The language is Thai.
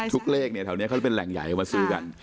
ทุกเลขเนี่ยเป็นแหล่งใหญ่มาซื้อกัน